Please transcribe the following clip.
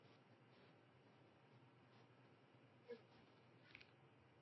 主楼东侧的二楼上有拜占廷风格的小尖穹顶与塔楼相互映衬。